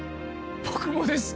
僕もです